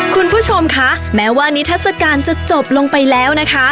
คุณผู้ชมคะแม้ว่านิทัศกาลจะจบลงไปแล้วนะคะ